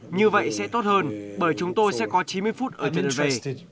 như vậy sẽ tốt hơn bởi chúng tôi sẽ có chín mươi phút ở trên đời